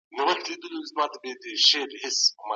خپل مخ په مسکا سره روښانه وساتئ.